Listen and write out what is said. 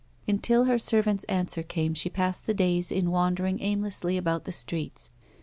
Until her servant's answer came she passed the days in wandering aimlessly about the streets.